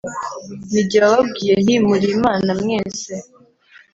Ni jye wababwiye nti Muri imana Mwese